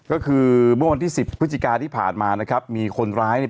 ก็คือเมื่อวันที่สิบพฤศจิกาที่ผ่านมานะครับมีคนร้ายเนี่ย